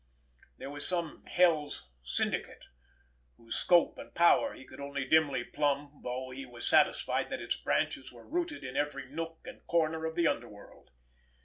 There was some hell's syndicate, whose scope and power he could only dimly plumb though he was satisfied that its branches were rooted in every nook and corner of the underworld.